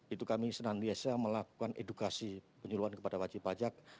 itu kami senantiasa melakukan edukasi penyuluhan kepada wajib pajak